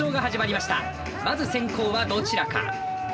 まず先攻はどちらか？